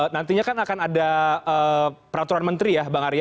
nantinya kan akan ada peraturan menteri ya bang arya